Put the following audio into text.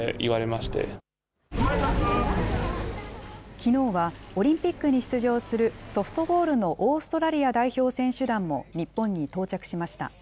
きのうはオリンピックに出場するソフトボールのオーストラリア代表選手団も日本に到着しました。